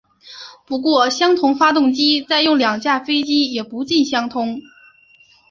不过相同发动机用在两架飞机也不尽相通。